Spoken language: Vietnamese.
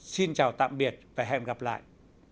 xin chào tạm biệt và hẹn gặp lại